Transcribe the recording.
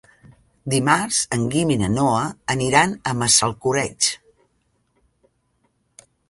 Dimarts en Guim i na Noa aniran a Massalcoreig.